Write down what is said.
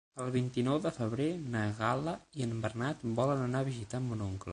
El vint-i-nou de febrer na Gal·la i en Bernat volen anar a visitar mon oncle.